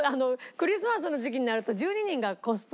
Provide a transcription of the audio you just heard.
クリスマスの時期になると１２人がコスプレするから。